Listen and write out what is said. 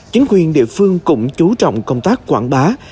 chính quyền địa phương cũng chú trọng công tác quảng bá